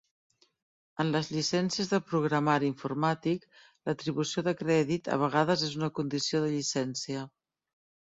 En les llicències de programari informàtic, l'atribució de crèdit a vegades és una condició de llicència.